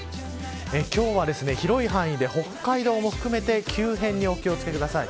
今日は広い範囲で北海道も含めて急変にお気を付けください。